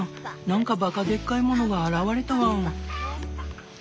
何かばかでっかいものが現れたワン！